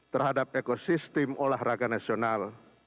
terhadap ekosistem olahraga nasional